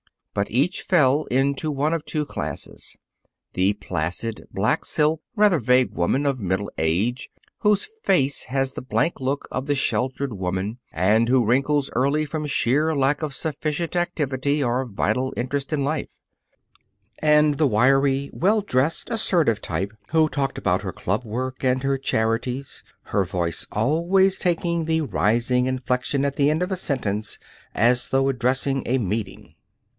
But each fell into one of two classes the placid, black silk, rather vague woman of middle age, whose face has the blank look of the sheltered woman and who wrinkles early from sheer lack of sufficient activity or vital interest in life; and the wiry, well dressed, assertive type who talked about her club work and her charities, her voice always taking the rising inflection at the end of a sentence, as though addressing a meeting.